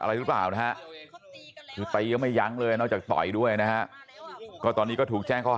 อะไรรูปเปล่าฮะปรีก็ไม่ยั้นเลยนะจากต่อยด้วยนะฮะตอนนี้ก็ถูกแจ้งเขา